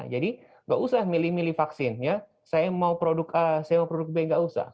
jadi tidak usah milih milih vaksin saya mau produk a saya mau produk b tidak usah